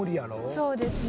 そうですね。